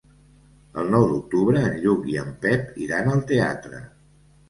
El nou d'octubre en Lluc i en Pep iran al teatre.